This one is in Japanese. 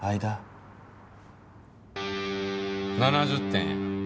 ７０点や。